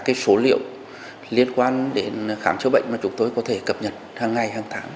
về các số liệu liên quan đến khám chữa bệnh mà chúng tôi có thể cập nhật hằng ngày hằng tháng